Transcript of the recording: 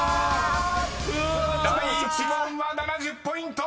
［第１問は７０ポイント！］